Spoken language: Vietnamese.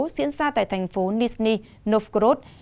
diễn ra tại thành phố nizhny novgorod